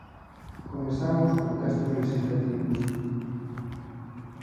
Comezamos con textos lexislativos.